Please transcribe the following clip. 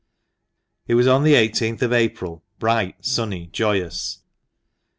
It was on the i8th of April, bright, sunny, joyous.